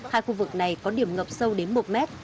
hai khu vực này có điểm ngập sâu đến một mét